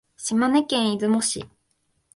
島根県出雲市